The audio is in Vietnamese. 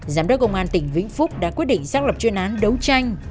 giám đốc công an tỉnh vĩnh phúc đã quyết định xác lập chuyên án đấu tranh